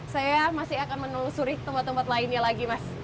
saya masih akan menelusuri tempat tempat lainnya lagi mas